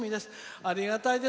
ありがたいです。